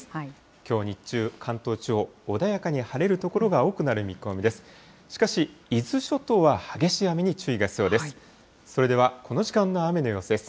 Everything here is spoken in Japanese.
きょう日中、関東地方、穏やかに晴れる所が多くなる見込みです。